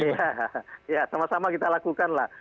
iya ya sama sama kita lakukan lah